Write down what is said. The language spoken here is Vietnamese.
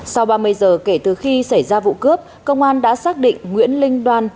sau ba mươi giờ kể từ khi xảy ra vụ cướp công an đã xác định nguyễn linh đoan